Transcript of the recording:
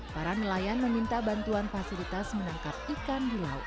para nelayan meminta bantuan fasilitas menangkap ikan di laut